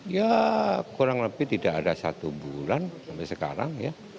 ya kurang lebih tidak ada satu bulan sampai sekarang ya